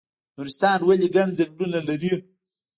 نورستان ولې ګڼ ځنګلونه لري؟